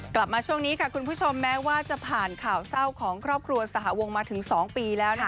กลับมาช่วงนี้ค่ะคุณผู้ชมแม้ว่าจะผ่านข่าวเศร้าของครอบครัวสหวงมาถึง๒ปีแล้ว